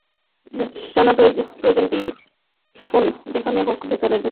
জানা প্রয়োজনটিপসফোন যেটাই হোকভেতরে ভেতরে চলতে থাকে এমন অ্যাপগুলোর দিকে নজর রাখুন।